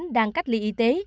đang cách ly y tế